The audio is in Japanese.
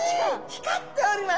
光っております。